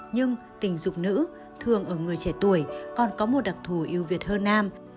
nhưng tình dục nữ thường ở người trẻ tuổi còn có một đặc thù yêu việt hơn nam